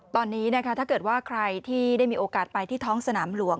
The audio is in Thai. ตอนนี้นะคะถ้าเกิดว่าใครที่ได้มีโอกาสไปที่ท้องสนามหลวง